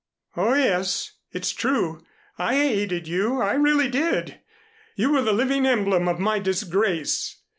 "Oh, yes. It's true. I hated you. I really did. You were the living emblem of my disgrace.